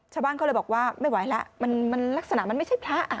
ชาวบ้านก็เลยบอกว่าไม่ไหวแล้วมันลักษณะมันไม่ใช่พระ